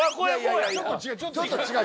ちょっと違う。